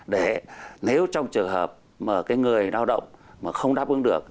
để nếu trong trường hợp mà cái người lao động mà không đáp ứng được